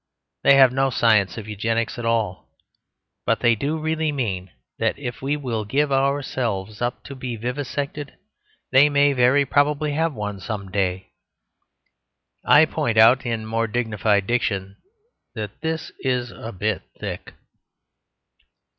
They have no Science of Eugenics at all, but they do really mean that if we will give ourselves up to be vivisected they may very probably have one some day. I point out, in more dignified diction, that this is a bit thick.